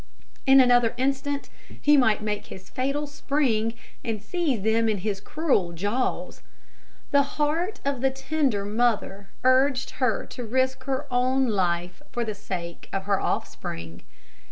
In another instant he might make his fatal spring, and seize them in his cruel jaws. The heart of the tender mother urged her to risk her own life for the sake of her offspring.